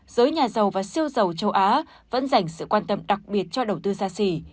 giới nhà giàu và siêu giàu châu á vẫn dành sự quan tâm đặc biệt cho đầu tư xa xỉ